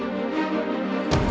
ini dia tubuhku